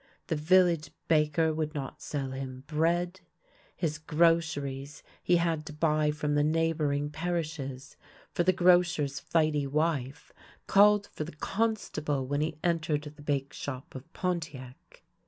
The village baker would not sell him bread ; his groceries he had to buy from the neighbouring parishes, for the grocer's flighty wife called for the constable when he entered the bake shop of Pontiac.